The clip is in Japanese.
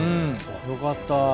よかった。